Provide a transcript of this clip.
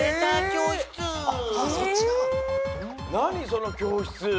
その教室。